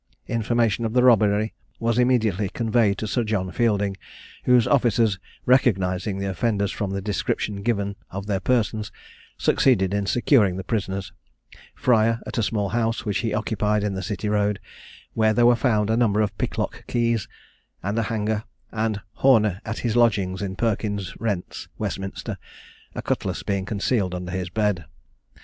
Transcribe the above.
Information of the robbery was immediately conveyed to Sir John Fielding, whose officers, recognising the offenders from the description given of their persons, succeeded in securing the prisoners: Fryer at a small house which he occupied in the City Road, where there were found a number of picklock keys, and a hanger; and Horner at his lodgings in Perkins' Rents, Westminster, a cutlass being concealed under his bed.